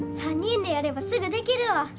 ３人でやればすぐできるわ。